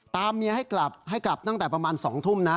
เมียให้กลับให้กลับตั้งแต่ประมาณ๒ทุ่มนะ